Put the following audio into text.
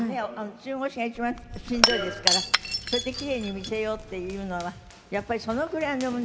中腰が一番しんどいですからそれで奇麗に見せようっていうのはやっぱりそのぐらいの運動。